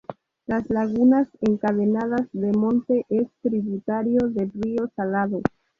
Las lagunas Encadenadas de Monte es tributario del río Salado.